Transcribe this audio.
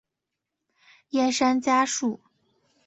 叶山嘉树。